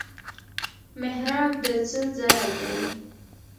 محراب د څه ځای دی؟